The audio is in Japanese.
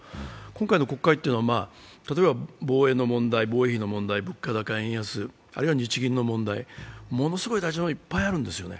今回の国会というのは例えば防衛費の問題、物価高の問題、あるいは日銀の問題、ものすごく大事な問題がいっぱいあるんです。